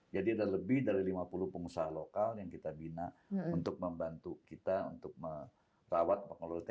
jadi ada lebih dari lima puluh pengusaha lokal yang kita bina untuk membantu kita untuk membantu kita